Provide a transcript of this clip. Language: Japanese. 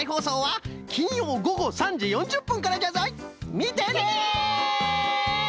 みてね！